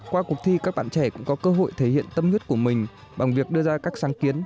qua cuộc thi các bạn trẻ cũng có cơ hội thể hiện tâm huyết của mình bằng việc đưa ra các sáng kiến